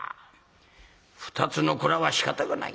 ２つの蔵はしかたがない。